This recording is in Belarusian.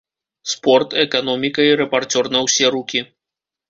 Спорт, эканоміка і рэпарцёр на ўсе рукі.